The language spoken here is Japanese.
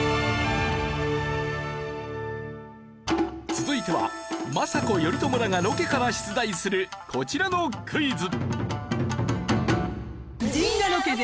続いては政子頼朝らがロケから出題するこちらのクイズ。